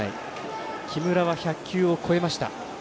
木村は１００球を超えました。